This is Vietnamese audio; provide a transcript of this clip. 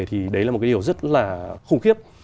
thì đấy là một cái điều rất là khủng khiếp